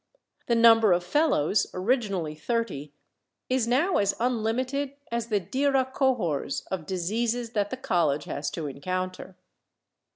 The number of fellows, originally thirty, is now as unlimited as the "dira cohors" of diseases that the college has to encounter.